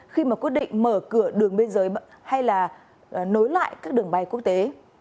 khi quyết định mở cửa đường biên giới hay nối lại các đường bay quốc tế